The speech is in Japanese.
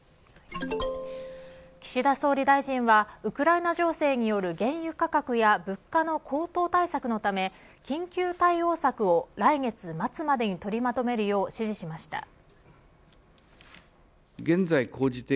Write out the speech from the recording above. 岸田総理大臣はウクライナ情勢による原油価格や物価の高騰対策のため緊急対応策を来月末までに取りまとめるよう指示しました。